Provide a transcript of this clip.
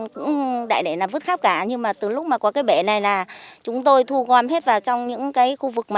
cũng đại để là vứt khắp cả nhưng mà từ lúc mà có cái bể này là chúng tôi thu gom hết vào trong những cái khu vực mà